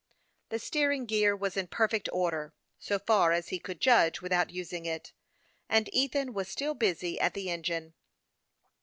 The steering gear was in perfect order, so far as he could judge without using it, and Ethan was still busy at the engine.